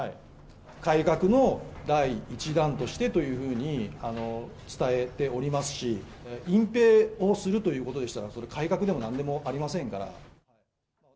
改革の第１弾としてというふうに伝えておりますし、隠ぺいをするということでしたら、それ、改革でもなんでもありませんから。